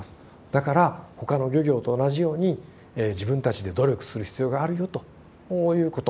だから他の漁業と同じように自分たちで努力する必要があるよということ。